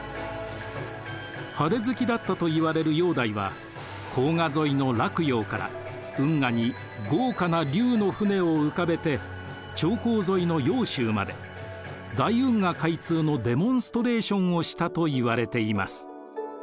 派手好きだったといわれる煬帝は黄河沿いの洛陽から運河に豪華な竜の船を浮かべて長江沿いの揚州まで大運河開通のデモンストレーションをしたといわれています。